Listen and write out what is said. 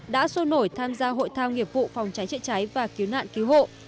đã sôi nổi tham gia hội thao nghiệp vụ phòng cháy chữa cháy và cứu nạn cứu hộ